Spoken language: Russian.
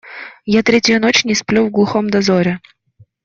Я третью ночь не сплю в глухом дозоре.